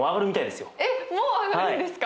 えっもう上がるんですか？